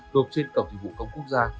gồm trên cổng dịch vụ công quốc gia